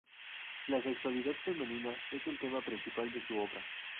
La sexualidad femenina es el tema principal de su obra.